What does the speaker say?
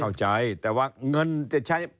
เข้าใจแต่ว่าเงินจะใช้